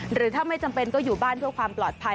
หรือถ้าไม่จำเป็นก็อยู่บ้านเพื่อความปลอดภัย